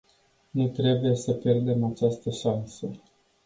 Nu trebuie să pierdem această șansă.